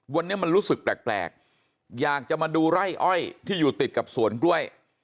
วันนี้มันรู้สึกแปลกอยากจะมาดูไร่อ้อยที่อยู่ติดกับสวนกล้วย